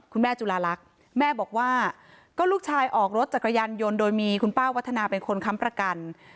จุลาลักษณ์แม่บอกว่าก็ลูกชายออกรถจักรยานยนต์โดยมีคุณป้าวัฒนาเป็นคนค้ำประกัน